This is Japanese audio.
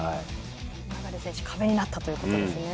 流選手壁になったということですね。